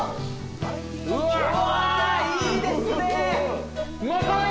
うわいいですね。